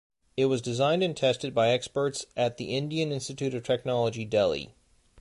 It was designed and tested by experts at the Indian Institute of Technology Delhi.